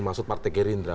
maksud partai gerindra